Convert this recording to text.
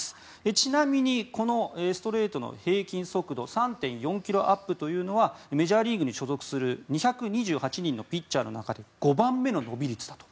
ちなみにこのストレートの平均速度３．４ｋｍアップというのはメジャーリーグに所属する２２８人のピッチャーの中で５番目の伸び率だと。